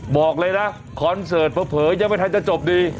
บอกเลยนะคอนเสิร์ตเผลอยังไม่ทันจะจบดี